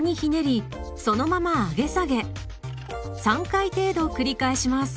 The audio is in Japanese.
３回程度繰り返します。